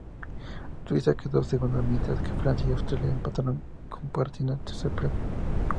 Suiza quedó segunda mientras que Francia y Austria empataron compartiendo el tercer premio.